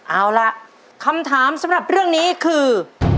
เอาล่ะคำถามสำหรับเรื่องนี้คือ